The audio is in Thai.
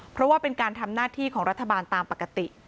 เพราะว่าเป็นการทำหน้าที่ของรัฐบาลตามปกติ